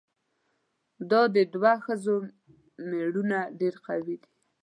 دا د دوو ښځو ميړونه ډېر قوي دي؟